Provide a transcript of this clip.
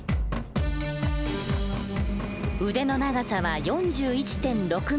腕の長さは４１．６ｍ。